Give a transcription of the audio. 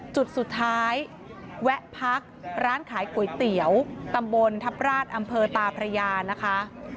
จุดสุดท้ายแวะพักร้านขายก๋วยเตี๋ยวตำบลทัพราชอำเภอตาพระยานะคะ